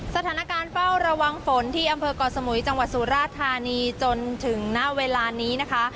สถานการณ์เฝ้าระวังฝนที่อำเภอก่อสมุยจังหวัดสุราธานีจนถึงณเวลานี้นะคะ